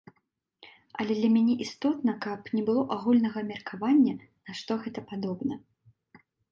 Але для мяне істотна, каб не было агульнага меркавання, на што гэта падобна.